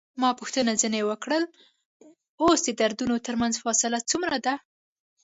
ما پوښتنه ځنې وکړل: اوس د دردونو ترمنځ فاصله څومره ده؟